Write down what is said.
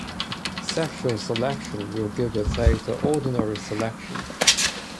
Sexual selection will give its aid to ordinary selection.